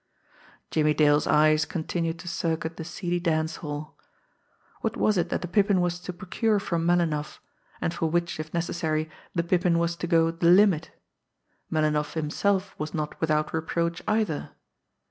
Jimmie Dale's eyes continued to circuit the seedy dance hall. What was it that the Pippin was to procure from Melinoff, and for which, if necessary, the Pippin was to go "the limit"? Melinoff himself was not without reproach, either!